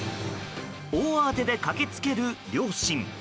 大慌てで駆けつける両親。